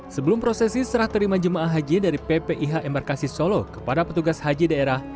sebelum prosesi serah terima jemaah haji dari ppih embarkasi solo kepada petugas haji daerah